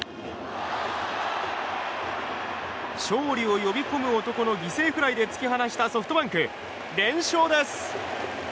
勝利を呼び込む男の犠牲フライで突き放したソフトバンク連勝です！